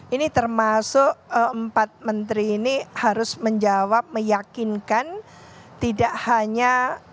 ini termasuk empat menteri ini harus menjawab meyakinkan tidak hanya